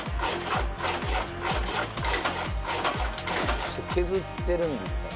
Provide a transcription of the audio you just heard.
そして削ってるんですかね？